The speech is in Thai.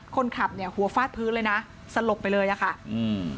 คนขับเนี่ยหัวฟาดพื้นเลยนะสลบไปเลยอ่ะค่ะอืม